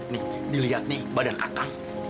nih diliat nih badan akang